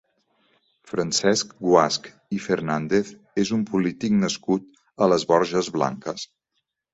Francesc Guasch i Fernández és un polític nascut a les Borges Blanques.